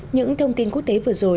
những thông tin quốc tế vừa rồi